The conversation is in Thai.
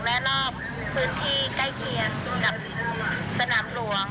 และรอบพื้นที่ใกล้เคียงกับสนามหลวง